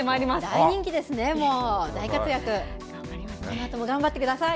大人気ですね、もう大活躍、頑張ってください。